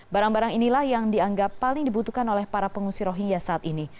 barang barang inilah yang dianggap paling dibutuhkan oleh para pengungsi rohingya saat ini